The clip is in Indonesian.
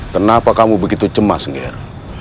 kenapa kamu begitu cemas ger